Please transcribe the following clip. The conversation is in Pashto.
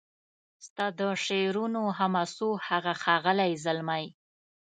ستا د شعرونو حماسو هغه ښاغلی زلمی